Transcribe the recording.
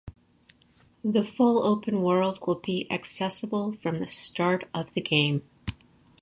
The full open world will be accessible from the start of the game.